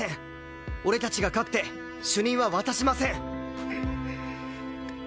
俺たちが勝って主任は渡しません！